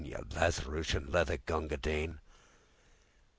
You Lazarushian leather Gunga Din!